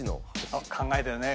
あっ考えてるね